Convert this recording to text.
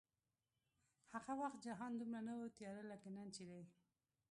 هغه وخت جهان دومره نه و تیاره لکه نن چې دی